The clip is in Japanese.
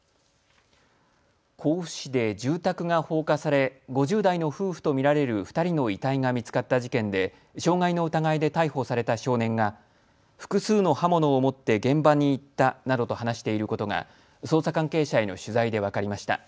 甲府市で住宅が放火され５０代の夫婦と見られる２人の遺体が見つかった事件で傷害の疑いで逮捕された少年が複数の刃物を持って現場に行ったなどと話していることが捜査関係者への取材で分かりました。